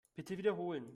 Bitte wiederholen.